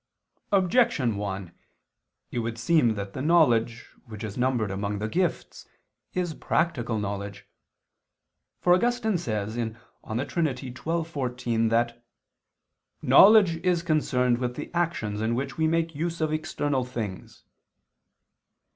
Objection 1: It would seem that the knowledge, which is numbered among the gifts, is practical knowledge. For Augustine says (De Trin. xii, 14) that "knowledge is concerned with the actions in which we make use of external things."